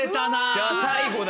じゃあ最後だ。